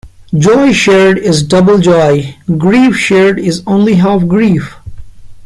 Joy shared is double joy; grief shared is only half grief.